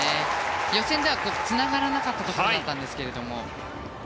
予選ではつながらなかったところだったんですが。